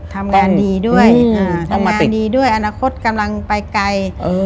ทำงานดีด้วยอาณาคตกำลังไปไกล